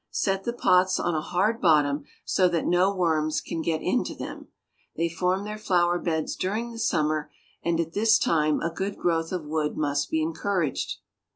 Set the pots on a hard bottom, so that no worms can get into them. They form their flower beds during the summer, and at this time a good growth of wood must be encouraged.